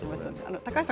高橋さん